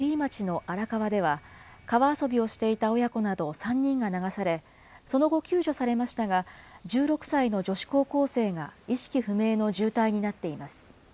また、きのう午前、埼玉県寄居町の荒川では、川遊びをしていた親子など３人が流され、その後、救助されましたが、１６歳の女子高校生が意識不明の重体になっています。